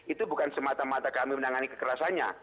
itu bukan semata mata kami menangani kekerasannya